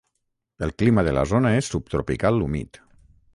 El clima de la zona és subtropical humit.